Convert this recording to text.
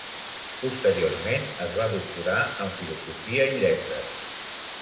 Posteriorment, es va doctorar en Filosofia i Lletres.